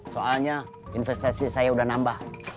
soalnya investasi saya sudah nambah